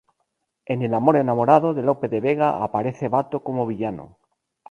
En "El amor enamorado", de Lope de Vega, aparece Bato como villano.